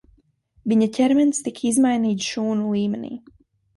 Viņa ķermenis tika izmainīts šūnu līmenī.